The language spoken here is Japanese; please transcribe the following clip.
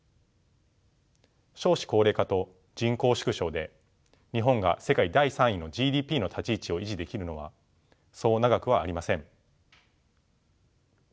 少子高齢化と人口縮小で日本が世界第３位のＧＤＰの立ち位置を維持できるのはそう長くはありません。